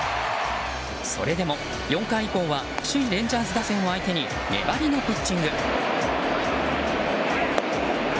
それでも４回以降は首位レンジャーズ打線を相手に粘りのピッチング。